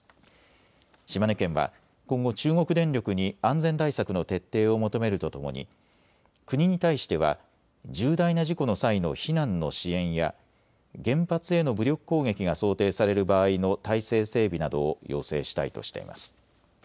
島根県は今後、中国電力に安全対策の徹底を求めるとともに国に対しては重大な事故の際の避難の支援や原発への武力攻撃が想定される場合の態勢整備などを要請したいとしています。